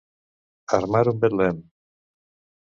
Armar un betlem.